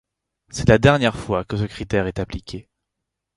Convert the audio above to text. C'est la dernière fois que ce critère est appliqué.